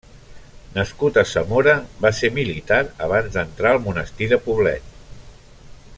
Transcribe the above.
Nascut a Zamora, va ser militar abans d'entrar al Monestir de Poblet.